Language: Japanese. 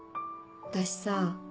私さ